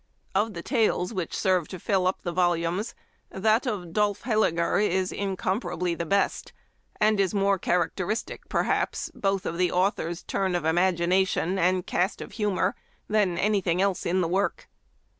" Of the tales which serve to fill up the vol Memoir of Washington Irving. 119 umes, that of ' Dolph Heyliger ' is incomparably the best, and is more characteristic, perhaps, both of the author's turn of imagination and cast of humor than any thing else in the work.